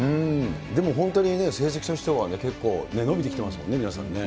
でも本当にね、成績としては結構、伸びてきてますよね、皆さんね。